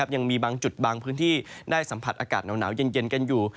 ยังมีบางจุดบางพื้นที่ได้สัมผัสอากาศหนาวเย็นกันอยู่